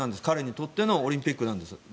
彼にとってのオリンピックなんです。